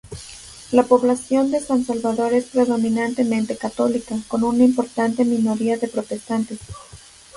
La población de San Salvador es predominantemente católica, con una importante minoría de protestantes.